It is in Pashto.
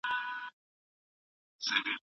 د سړي سر عايد د خلګو د هوسايني ښکارندوی دی.